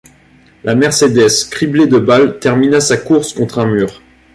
La Mercedes, criblée de balles, termina sa course contre un mur.